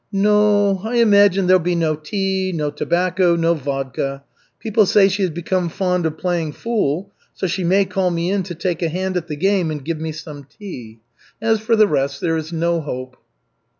"No, I imagine there'll be no tea, no tobacco, no vodka. People say she has become fond of playing fool, so she may call me in to take a hand at the game and give me some tea. As for the rest, there is no hope."